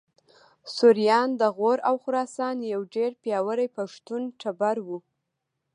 سوریان د غور او خراسان یو ډېر پیاوړی پښتون ټبر و